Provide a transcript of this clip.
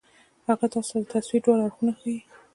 هغه تاسو ته د تصوير دواړه اړخونه ښائي